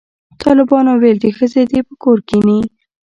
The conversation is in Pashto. طالبانو ویل چې ښځې دې په کور کښېني